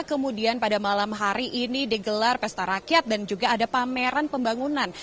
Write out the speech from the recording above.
kemudian pada malam hari ini digelar pesta rakyat dan juga ada pameran pembangunan